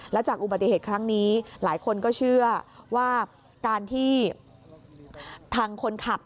และจากอุบัติเหตุครั้งนี้หลายคนก็เชื่อว่าการที่ทางคนขับ